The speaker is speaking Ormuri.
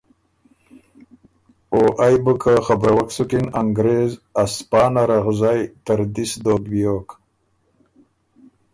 او ائ بُو که خبروک سُکِن انګرېز ا سپانه رغزئ تردِس دوک بیوک۔